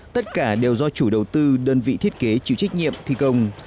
tất cả đều do chủ đầu tư đơn vị thiết kế chịu trách nhiệm thi công